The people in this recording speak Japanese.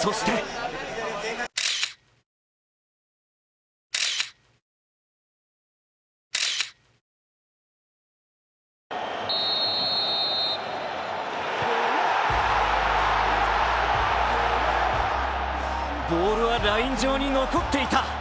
そしてボールはライン上に残っていた。